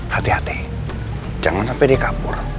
hati hati jangan sampai dia kabur